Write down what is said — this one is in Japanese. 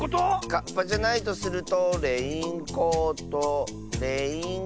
カッパじゃないとするとレインコートレインコート。